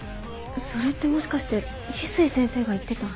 それってもしかして翡翠先生が言ってた。